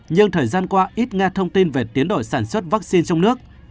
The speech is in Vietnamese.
nhưng thời gian qua ít nghe thông tin về tiến đổi sản xuất vaccine trong nước